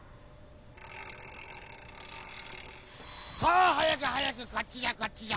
さあはやくはやくこっちじゃこっちじゃ！